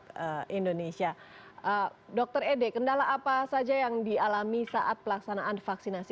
dokter indonesia dokter ede kendala apa saja yang dialami saat pelaksanaan vaksinasi